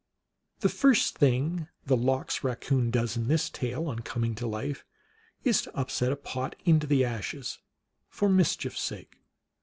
The first thing that the Lox Raccoon does in this tale, on coming to life, is to upset a pot into the ashes for mischief s sake.